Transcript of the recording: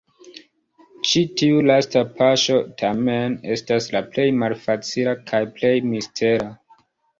Ĉi tiu lasta paŝo, tamen, estas la plej malfacila kaj plej mistera.